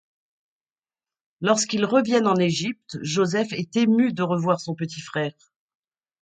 Lorsqu'ils reviennent en Égypte, Joseph est ému de revoir son petit frère.